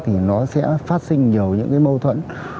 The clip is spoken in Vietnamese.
thì nó sẽ phát sinh nhiều những mâu thuẫn